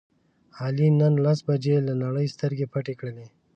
علي نن لس بجې له نړۍ سترګې پټې کړلې.